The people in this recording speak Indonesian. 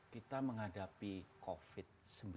kita menghadapi covid sembilan belas